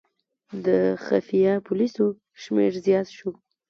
د خفیه پولیسو شمېر زیات شو.